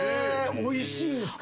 おいしいんすか？